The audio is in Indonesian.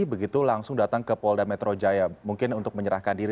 begitu langsung datang ke polda metro jaya mungkin untuk menyerahkan diri